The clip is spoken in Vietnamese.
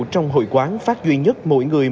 trong hội quán phát duy nhất mỗi người